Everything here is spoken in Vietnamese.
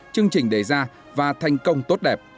chương trình đề ra và thành công tốt đẹp